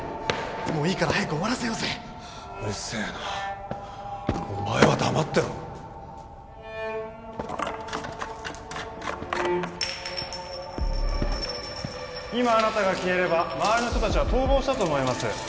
もういいから早く終わらせようぜうっせえなお前は黙ってろ今あなたが消えれば周りの人たちは逃亡したと思います